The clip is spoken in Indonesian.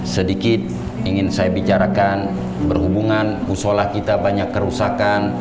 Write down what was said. sedikit ingin saya bicarakan berhubungan musolah kita banyak kerusakan